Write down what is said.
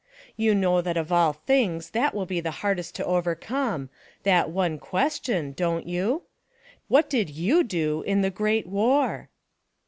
You know tlhat of all things that will be the hardest to overcome, that one question, don't you? — what did you do in the great WAR?